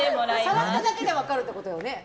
それだけで分かるってことよね？